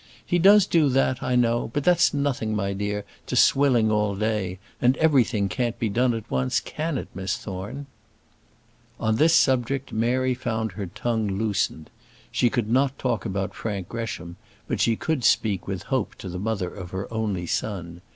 "He does do that, I know: but that's nothing, my dear, to swilling all day; and everything can't be done at once, can it, Miss Thorne?" On this subject Mary found her tongue loosened. She could not talk about Frank Gresham, but she could speak with hope to the mother of her only son.